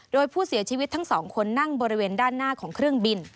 โดยผู้เสียชีวิตทั้งสองคนนั่งบริเวณด้านหน้าของเครื่องบิน